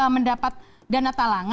mendapat dana talang